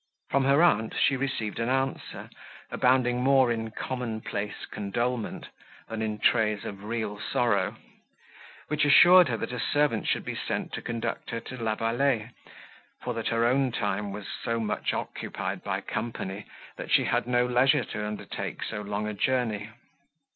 From her aunt she received an answer, abounding more in common place condolement, than in traits of real sorrow, which assured her, that a servant should be sent to conduct her to La Vallée, for that her own time was so much occupied by company, that she had no leisure to undertake so long a journey.